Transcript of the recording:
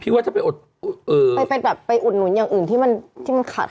พี่ว่าจะไปอุดหนุนอย่างอื่นที่มันขัด